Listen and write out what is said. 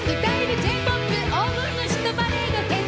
Ｊ−ＰＯＰ黄金のヒットパレード決定版！」。